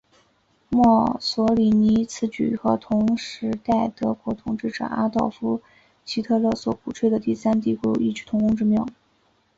墨索里尼此举和同时代德国统治者阿道夫希特勒所鼓吹的第三帝国有异曲同工之妙。